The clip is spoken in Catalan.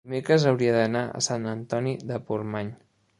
Dimecres hauria d'anar a Sant Antoni de Portmany.